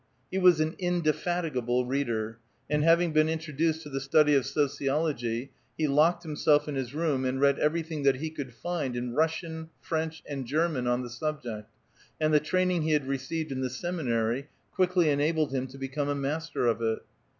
He was an indefatigable reader, and having been introduced to the study of sociology, he locked himself in his room, and read everything that he could find in Rus sian, French, and German on the subject, and the training he had received in the seminary quickly enabled him to be come a master of it.